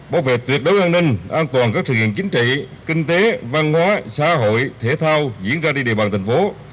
bảo vệ tuyệt đối an ninh an toàn các sự kiện chính trị kinh tế văn hóa xã hội thể thao diễn ra trên địa bàn thành phố